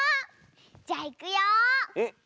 じゃいくよ。